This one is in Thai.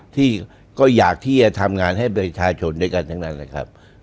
ที่ก็อยากที่จะทำงานให้ประชาชนด้วยกันทั้งนั้นนะครับ